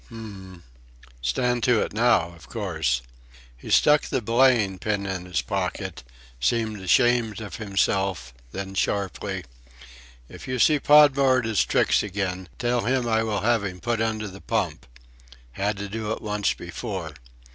H'm! Stand to it now of course." He stuck the belaying pin in his pocket, seemed ashamed of himself, then sharply: "If you see Podmore at his tricks again tell him I will have him put under the pump. Had to do it once before.